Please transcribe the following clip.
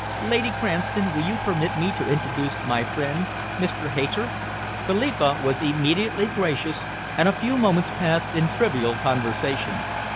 "Lady Cranston, will you permit me to introduce my friend Mr. Hayter." Philippa was immediately gracious, and a few moments passed in trivial conversation.